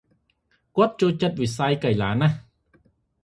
គាត់ ចូលចិត្ត វិស័យកីឡាណាស់ ។